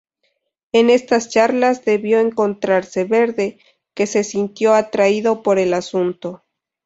En estas charlas debió encontrarse Verde, que se sintió atraído por el asunto.